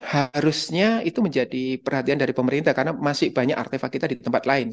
harusnya itu menjadi perhatian dari pemerintah karena masih banyak artefak kita di tempat lain